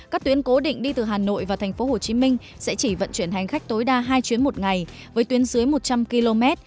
các tuyến cố định đi từ hà nội và tp hcm sẽ chỉ vận chuyển hành khách tối đa hai chuyến một ngày với tuyến dưới một trăm linh km